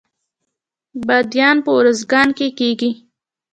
بادیان په ارزګان کې کیږي